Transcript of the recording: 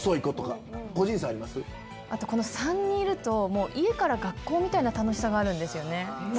この、あと３人いると、もう家から学校みたいな楽しさがあるんですよね。